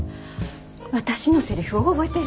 私のセリフ覚えてる？